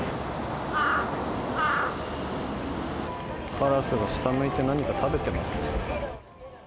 カラスが下向いて、何か食べてますね。